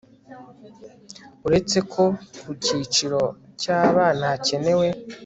uretse ko ku cyiciro cy abana hakenewe